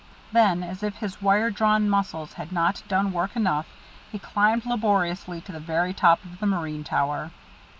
Then, as if his wire drawn muscles had not done work enough, he climbed laboriously to the very top of the marine tower.